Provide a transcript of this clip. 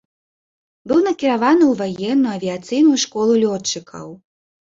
Быў накіраваны ў ваенную авіяцыйную школу лётчыкаў.